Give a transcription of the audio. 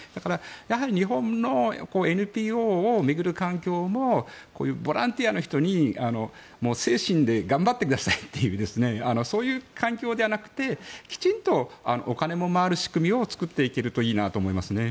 やはり日本のＮＰＯを巡る環境もこういうボランティアの人に精神で頑張ってくださいというそういう環境ではなくてきちんとお金も回る仕組みを作っていけるといいなと思いますね。